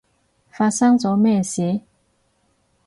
發生咗咩事？